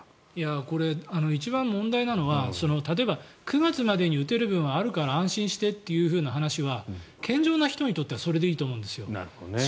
これ、一番問題なのは例えば、９月までに打てる分はあるから安心してという話は健常な人にとってはそれでいいと思うんです。